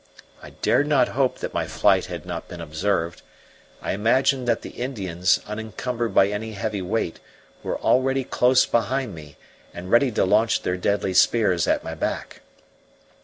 I dared not hope that my flight had not been observed; I imagined that the Indians, unencumbered by any heavy weight, were already close behind me, and ready to launch their deadly spears at my back.